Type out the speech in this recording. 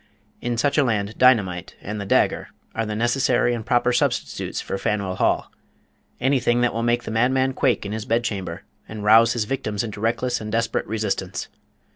in such a land dynamite and the dagger are the necessary and proper substitutes for Faneuil Hall. Anything that will make the madman quake in his bedchamber, and rouse his victims into reckless and desperate resistance.